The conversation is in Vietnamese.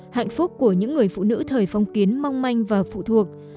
hạnh phúc của những người phụ nữ thời phong kiến mong manh và phụ thuộc